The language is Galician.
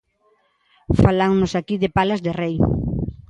Fálannos aquí de Palas de Rei.